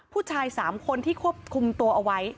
ผู้ชาย๓คนที่ควบคุมตัวเอาไว้